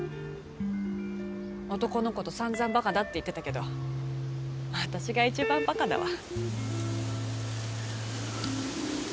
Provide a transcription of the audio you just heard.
男のこと散々バカだって言ってたけど私が一番バカだわ。